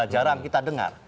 jarang kita dengar